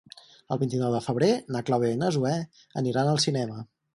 El vint-i-nou de febrer na Clàudia i na Zoè aniran al cinema.